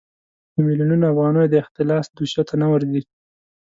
د میلیونونو افغانیو د اختلاس دوسیو ته نه ورځي.